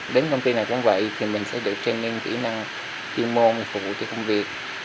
đến công ty nào cũng vậy mình sẽ được training kỹ năng chuyên môn để phục vụ cho công việc